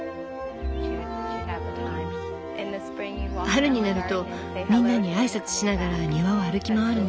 春になるとみんなに挨拶しながら庭を歩き回るの。